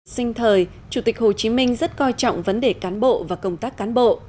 sinh thời chủ tịch hồ chí minh rất coi trọng vấn đề cán bộ và công tác cán bộ